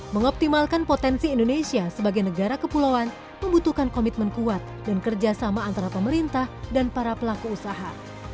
mengoptimalkan potensi indonesia sebagai negara kepulauan membutuhkan komitmen kuat dan kerjasama antara pemerintah dan para pelaku usaha